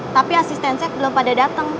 tapi asisten saya belum pada datang